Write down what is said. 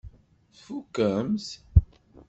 Tfukemt?